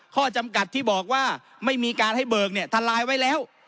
ข้อจำกัดที่บอกว่าไม่มีการให้เบิกเนี่ยทลายไว้แล้ว